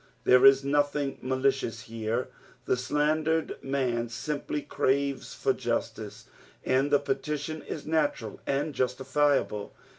There is nothing malicious here, the slandered man simply craves for justice, and the petition is natural and justifiable.